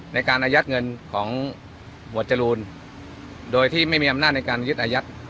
ในการอายัดเงินของหมวดจรูนโดยที่ไม่มีอำนาจในการยึดอายัด